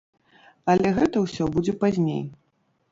Але гэта ўсё будзе пазней.